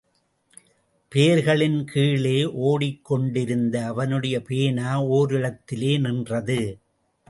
பெயர்களின் கீழே ஒடிக் கொண்டிருந்த அவனுடைய பேனா ஓரிடத்திலே நின்றது.